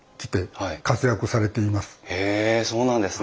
へえそうなんですね。